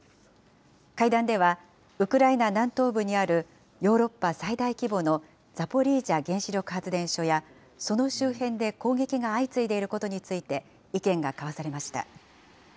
会談では、ウクライナ南東部にあるヨーロッパ最大規模のザポリージャ原子力発電所や、その周辺で攻撃が相次いでいることについて、意見が交わされました。